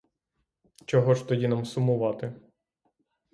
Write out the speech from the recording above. Чого ж тоді нам сумувати?